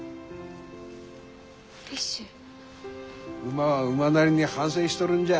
馬は馬なりに反省しとるんじゃ。